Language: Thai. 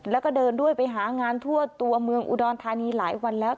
แล้วก็เดินด้วยไปหางานทั่วตัวเมืองอุดรธานีหลายวันแล้ว